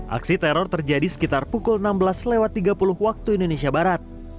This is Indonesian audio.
aksi teror terjadi sekitar pukul enam belas tiga puluh waktu indonesia barat